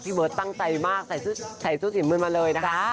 พี่เบิร์ดตั้งใจมากใส่ซุสินมื้นมาเลยนะคะ